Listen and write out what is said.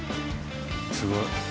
すごい。